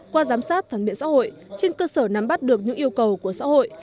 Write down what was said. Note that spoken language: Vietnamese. qua giám sát phản biện xã hội trên cơ sở nắm bắt được những yêu cầu của xã hội